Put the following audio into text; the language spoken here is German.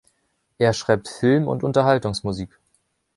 Er schreibt Film- und Unterhaltungsmusik.